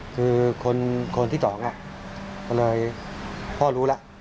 คือคนที่สองก็เลยพ่อรู้แล้ว